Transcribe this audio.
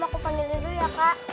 aku panggilnya dulu ya kak